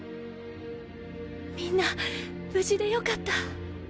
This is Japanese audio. みんな無事でよかった。